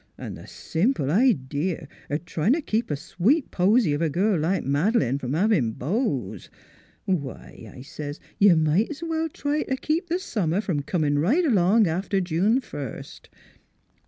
... An' th' simple idee o' tryin' t' keep a sweet posy of a girl like Mad'lane from havin' beaux. Why,' I says, ' you might 's well try t' keep th' summer from comin' right along after June first.